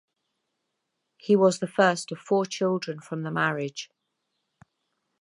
He was the first of four children from the marriage.